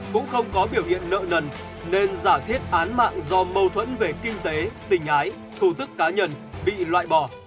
cũng không có biểu hiện nợ nần nên giả thiết án mạng do mâu thuẫn về kinh tế tình ái thủ tức cá nhân bị loại bỏ